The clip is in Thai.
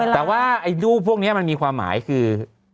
แต่ว่าไอ้รูปพวกนี้มันมีความหมายคือ